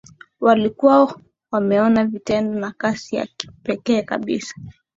Walikuwa wameona vitendo na kasi ya kipekee kabisa